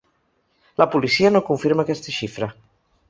La policia no confirma aquesta xifra.